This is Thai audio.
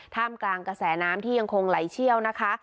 ท่ามกลางกระแสน้ำที่ยังคงไหลเชี่ยวนะคะ